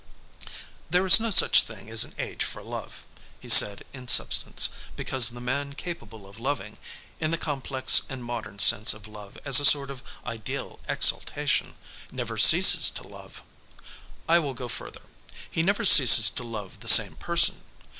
"There is no such thing as an age for love," he said in substance, "because the man capable of loving in the complex and modern sense of love as a sort of ideal exaltation never ceases to love. I will go further; he never ceases to love the same person.